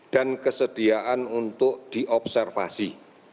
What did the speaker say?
dan kesediaan untuk diobservasi